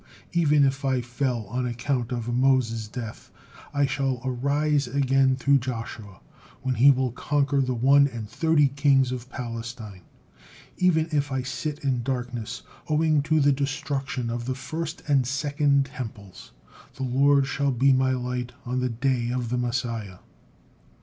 Even if I fell on account of Moses's death, I shall arise again through Joshua when he will conquer the one and thirty kings of Palestine. Even if I sit in darkness owing to the destruction of the first and second Temples, the Lord shall be my light on the day of the Messiah."